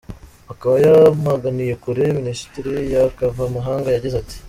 Akaba yamaganiye kure Minisiteri ya Kavamahanga, yagize ati:.